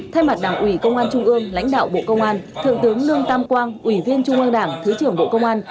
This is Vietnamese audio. thay mặt đảng ủy công an trung ương lãnh đạo bộ công an thượng tướng lương tam quang ủy viên trung ương đảng thứ trưởng bộ công an